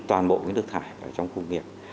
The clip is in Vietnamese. toàn bộ nước thải trong khu công nghiệp